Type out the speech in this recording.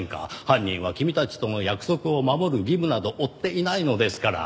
犯人は君たちとの約束を守る義務など負っていないのですから。